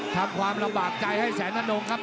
ทำร่วงบาทากใจให้แสนท่านงครับ